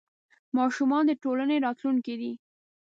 ماشومان د ټولنې راتلونکې دي.